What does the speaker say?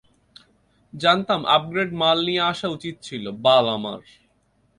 জানতাম আপগ্রেড মাল নিয়ে আসা উচিত ছিল, বাল আমার।